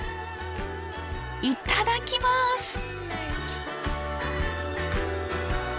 いただきます！